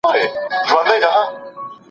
که علمي قوانین پېژندل سي پرمختګ کیږي.